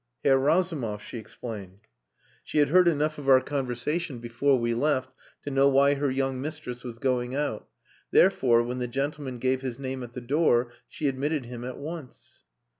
"Herr Razumov," she explained. She had heard enough of our conversation before we left to know why her young mistress was going out. Therefore, when the gentleman gave his name at the door, she admitted him at once.